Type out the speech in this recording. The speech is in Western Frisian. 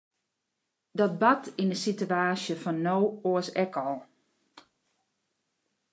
Dat bart yn de sitewaasje fan no oars ek al.